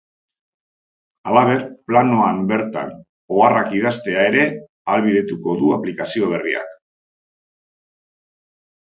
Halaber, planoan bertan oharrak idaztea ere ahalbidetuko du aplikazio berriak.